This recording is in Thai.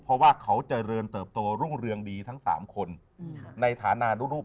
เพราะว่าเขาเจริญเติบโตรุ่งเรืองดีทั้ง๓คนในฐานะรูป